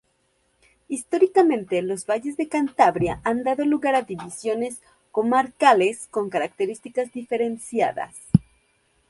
Históricamente los valles de Cantabria han dado lugar a divisiones comarcales con características diferenciadas.